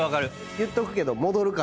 言っとくけど戻るからね。